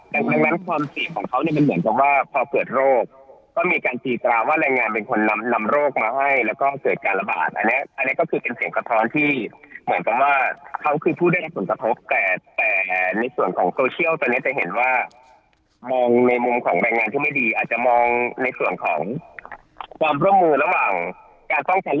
ดังนั้นความเสี่ยงของเขาเนี่ยเป็นเหมือนกับว่าพอเกิดโรคก็มีการตีตราว่าแรงงานเป็นคนนำนำโรคมาให้แล้วก็เกิดการระบาดอันนี้อันนี้ก็คือเป็นเสียงสะท้อนที่เหมือนกับว่าเขาคือผู้ได้รับผลกระทบแต่แต่ในส่วนของโซเชียลตอนนี้จะเห็นว่ามองในมุมของแรงงานที่ไม่ดีอาจจะมองในส่วนของความร่วมมือระหว่างการป้องกัน